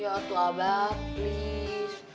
ya tuh abah please